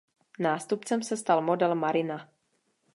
Nástupcem se stal model "Marina".